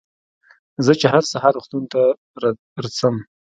زه چې هر سهار روغتون ته رڅم.